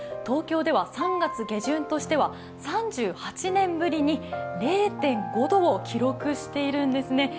東京では３月下旬としては３８年ぶりに０．５度を記録してるんですね。